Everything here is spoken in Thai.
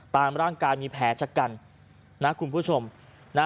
ตามร่างกายมีแผลชะกันนะคุณผู้ชมนะ